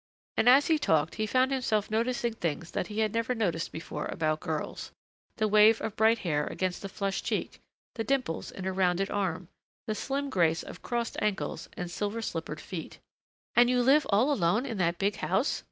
And as he had talked he found himself noticing things that he had never noticed before about girls, the wave of bright hair against a flushed cheek, the dimples in a rounded arm, the slim grace of crossed ankles and silver slippered feet. "And you live all alone in that big house?"